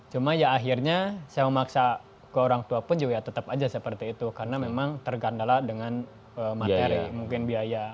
cuma ya akhirnya saya memaksa ke orang tua pun juga ya tetap aja seperti itu karena memang tergandala dengan materi mungkin biaya